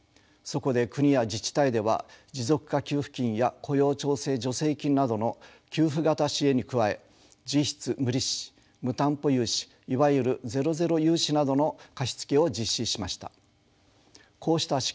そこで国や自治体では持続化給付金や雇用調整助成金などの給付型支援に加え実質無利子・無担保融資いわゆるゼロ・ゼロ融資などの貸し付けを実施しました。